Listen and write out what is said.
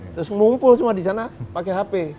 terus ngumpul semua di sana pakai hp